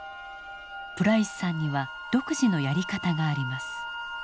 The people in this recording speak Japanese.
プライスさんには独自のやり方があります。